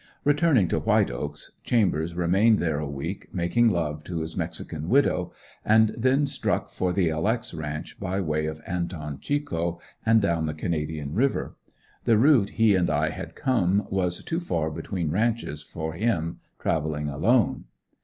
Returning to White Oaks, Chambers remained there a week, making love to his mexican widow, and then struck for the "L. X." ranch, by way of Anton Chico, and down the Canadian River. The route he and I had come was too far between ranches for him, traveling alone.